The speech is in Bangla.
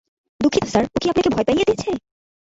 দুঃখিত স্যার, ও কি আপনাকে ভয় পাইয়ে দিয়েছে?